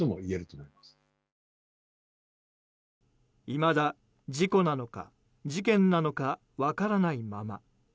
いまだ事故なのか事件なのか分からないまま。